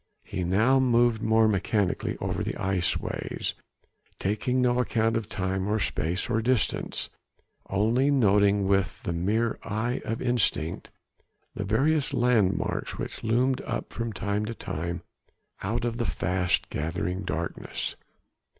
He now moved more mechanically over the iceways, taking no account of time or space or distance, only noting with the mere eye of instinct the various landmarks which loomed up from time to time out of the fast gathering darkness.